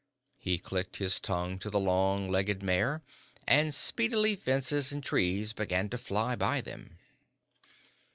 He clicked his tongue to the long legged mare, and speedily fences and trees began to fly by them.